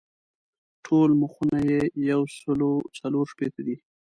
ټول مخونه یې یو سل څلور شپېته دي.